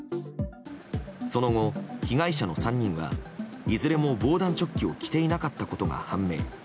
その後、被害者の３人はいずれも防弾チョッキを着ていなかったことが判明。